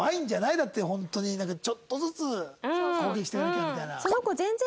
だってホントにちょっとずつ攻撃してなきゃみたいな。